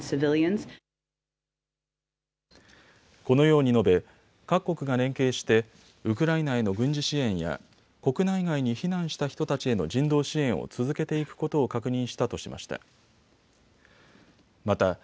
このように述べ、各国が連携してウクライナへの軍事支援や国内外に避難した人たちへの人道支援を続けていくことを確認したとしました。